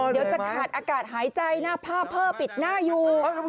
เดี๋ยวจะขาดอากาศหายใจหน้าผ้าเพิ่มปิดหน้าอยู่